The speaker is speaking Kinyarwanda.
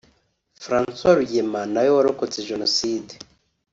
François Rugema na we warokotse Jenoside